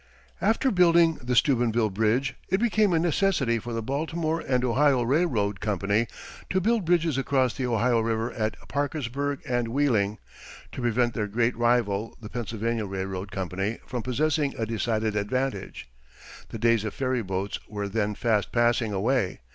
After building the Steubenville Bridge, it became a necessity for the Baltimore and Ohio Railroad Company to build bridges across the Ohio River at Parkersburg and Wheeling, to prevent their great rival, the Pennsylvania Railroad Company, from possessing a decided advantage. The days of ferryboats were then fast passing away.